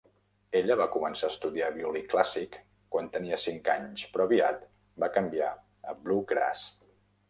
Ella va començar a estudiar violí clàssic quan tenia cinc anys però aviat va canviar a bluegrass.